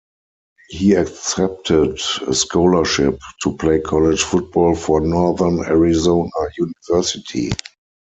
He accepted a scholarship to play college football for Northern Arizona University.